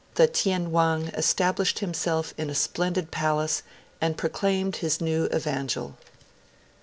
The Tien Wang, established himself in a splendid palace, and proclaimed his new evangel.